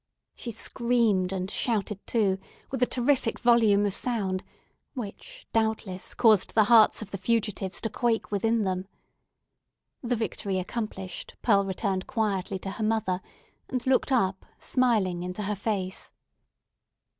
She screamed and shouted, too, with a terrific volume of sound, which, doubtless, caused the hearts of the fugitives to quake within them. The victory accomplished, Pearl returned quietly to her mother, and looked up, smiling, into her face.